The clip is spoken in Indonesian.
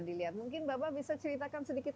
dilihat mungkin bapak bisa ceritakan sedikit